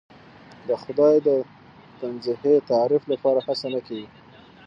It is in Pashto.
د خدای د تنزیهی تعریف لپاره هڅه نه کېږي.